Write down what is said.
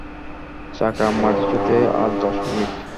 চাকা মাটি ছুঁতে আর দশ মিনিট।